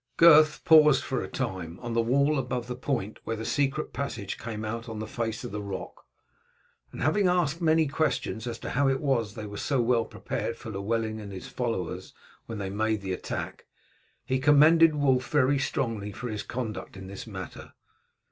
Gurth paused for a time on the wall above the point where the secret passage came out on the face of the rock, and having asked many questions as to how it was that they were so well prepared for Llewellyn and his followers when they made the attack, he commended Wulf very strongly for his conduct in this matter.